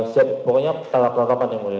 siap pokoknya tatap tatapan yang mulia